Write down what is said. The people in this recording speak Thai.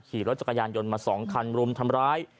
ขี่รถจักรยานยนต์มา๒คันรุมทำร้าย